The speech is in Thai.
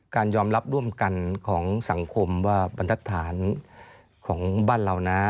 การยอมรับร่วมกันของสังคมว่าบรรทัศน์ของบ้านเรานะ